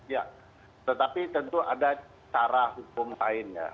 ya tetapi tentu ada cara hukum lain ya